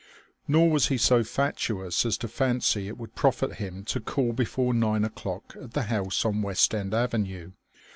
Nor was he so fatuous as to fancy it would profit him to call before nine o'clock at the house on West End Avenue.